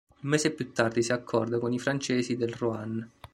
Un mese più tardi si accorda con i francesi del Roanne.